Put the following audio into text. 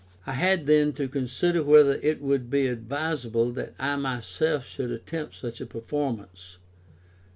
I had then to consider whether it would be advisable that I myself should attempt such a performance.